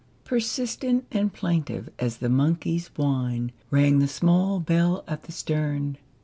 Persistent and plaintive as the monkey's whine rang the small bell at the stern.